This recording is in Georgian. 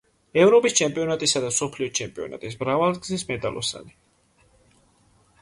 ევროპის ჩემპიონატისა და მსოფლიო ჩემპიონატის მრავალგზის მედალოსანი.